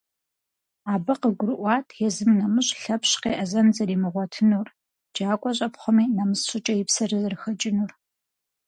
Абы къыгурыӀуат езым нэмыщӀ Лъэпщ къеӀэзэн зэримыгъуэтынур, джакӀуэ щӀэпхъуэми, нэмыс щӀыкӀэ, и псэр зэрыхэкӀынур.